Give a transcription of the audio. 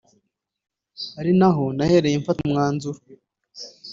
ari naho nahereye mfata umwanzuro